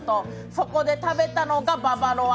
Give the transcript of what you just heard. そこで食べたのがババロア。